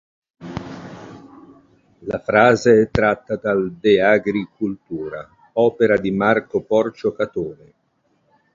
La frase è tratta dal "De agri cultura", opera di Marco Porcio Catone.